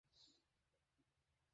খেয়াল করে দেখেই চিনতে পারলাম।